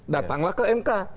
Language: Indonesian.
datanglah ke mk